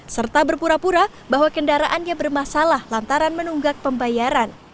serta berpura pura bahwa kendaraannya bermasalah lantaran menunggak pembayaran